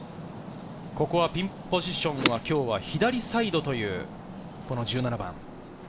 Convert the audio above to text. ここはピンポジションは今日は左サイドという１７番。